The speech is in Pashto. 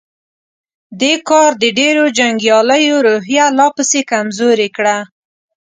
دې کار د ډېرو جنګياليو روحيه لا پسې کمزورې کړه.